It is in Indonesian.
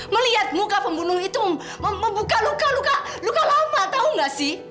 melihat muka pembunuh itu membuka luka luka luka lama tahu nggak sih